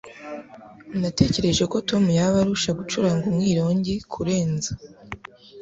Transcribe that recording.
Natekereje ko Tom yaba arusha gucuranga umwironge kurenza